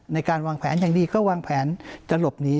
ในการวางแผนอย่างดีก็วางแผนจะหลบหนี